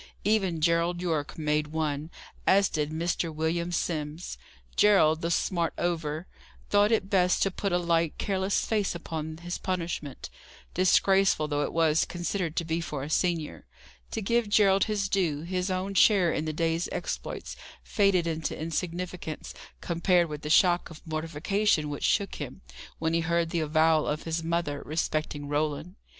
Even Gerald Yorke made one, as did Mr. William Simms. Gerald, the smart over, thought it best to put a light, careless face upon his punishment, disgraceful though it was considered to be for a senior. To give Gerald his due, his own share in the day's exploits faded into insignificance, compared with the shock of mortification which shook him, when he heard the avowal of his mother, respecting Roland.